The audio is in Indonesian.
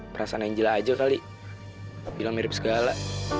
perasaan angela aja kali bilang mirip segala